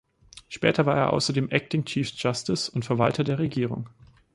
Später war er außerdem Acting Chief Justice und Verwalter der Regierung.